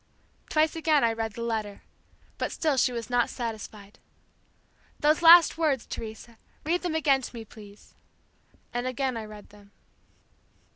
Twice again I read the letter, but still she was not satisfied. 'Those last words, Teresa, Read them again to me, please.' And again I read them."